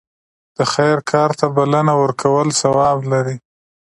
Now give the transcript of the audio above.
د خیر کار ته بلنه ورکول ثواب لري.